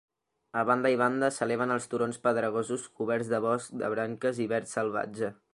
A banda i banda s'eleven els turons pedregosos coberts de bosc de branques i verd salvatge.